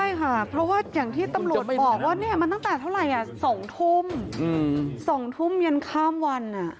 ใช่ค่ะเพราะว่าอย่างที่ตำรวจบอกว่ามันตั้งแต่เท่าไหร่๒ทุ่ม๒ทุ่มยันข้ามวัน